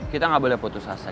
kita nggak boleh putus asa